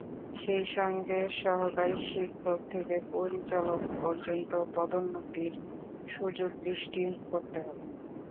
সেই সঙ্গে সহকারী শিক্ষক থেকে পরিচালক পর্যন্ত পদোন্নতির সুযোগ সৃষ্টি করতে হবে।